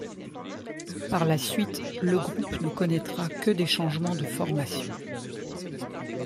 Par la suite, le groupe ne connaîtra que des changements de formation.